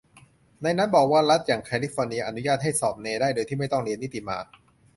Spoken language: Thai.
ในนั้นบอกว่ารัฐอย่างแคลิฟอร์เนียอนุญาตให้สอบเนได้โดยไม่ต้องเรียนนิติมา